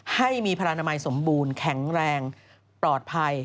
ให้มีพลนามัยสมบูรณ์แข็งแรงปลอดภัย